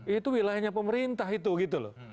itu wilayahnya pemerintah itu gitu loh